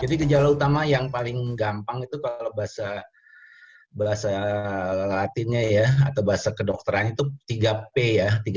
jadi gejala utama yang paling gampang itu kalau bahasa latinnya ya atau bahasa kedokteran itu tiga p ya